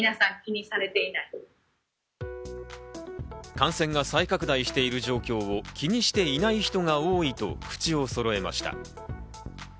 感染が再拡大している状況を気にしていない人が多いと口をそろえました。